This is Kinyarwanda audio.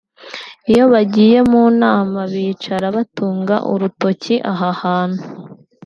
iyo bagiye mu nama bicara batunga urutoki aha hantu